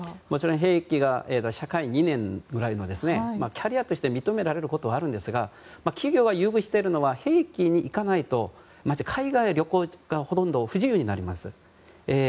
もちろんそれは兵役が社会２年ぐらいキャリアとして認められることはあるんですが企業は優遇しているのは兵役に行かないとまず海外旅行がほとんど不自由になります。